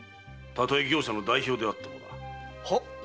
たとえ業者の代表であってもな。はっ？